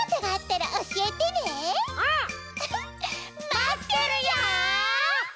まってるよ！